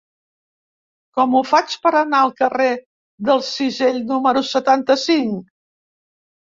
Com ho faig per anar al carrer del Cisell número setanta-cinc?